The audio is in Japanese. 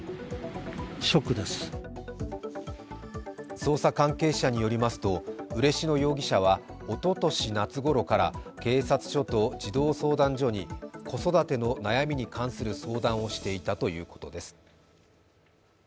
捜査関係者によりますと、嬉野容疑者は、おととし夏ごろから警察署と児童相談所に子育ての悩みに関する相談をしていたということです。